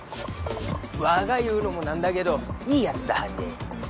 わーが言うのもなんだけどいい奴だはんで。